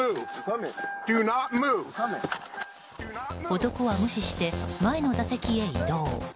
男は無視して前の座席へ移動。